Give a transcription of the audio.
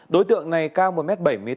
đối tượng này cao một m bảy mươi tám